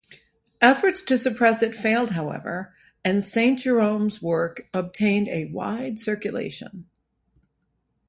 Efforts to suppress it failed, however, and Saint Jerome's work obtained a wide circulation.